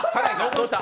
どうした？